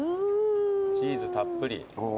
チーズたっぷり。